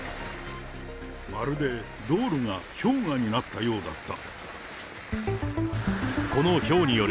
まるで道路が氷河になったようだった。